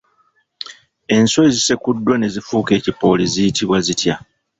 Enswa ezisekuddwa ne zifuuka ekipooli ziyitibwa zitya?